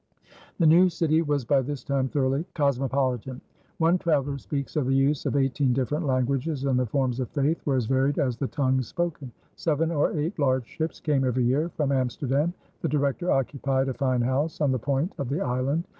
The new city was by this time thoroughly cosmopolitan. One traveler speaks of the use of eighteen different languages, and the forms of faith were as varied as the tongues spoken. Seven or eight large ships came every year from Amsterdam. The Director occupied a fine house on the point of the island.